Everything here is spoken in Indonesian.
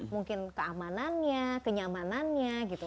mungkin keamanannya kenyamanannya gitu